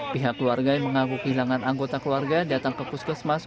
pihak keluarga yang mengaku kehilangan anggota keluarga datang ke puskesmas